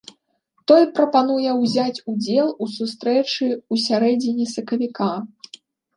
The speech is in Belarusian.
Той прапануе ўзяць удзел у сустрэчы ў сярэдзіне сакавіка.